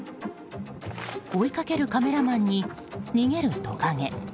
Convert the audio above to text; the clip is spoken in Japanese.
追いかけるカメラマンに逃げるトカゲ。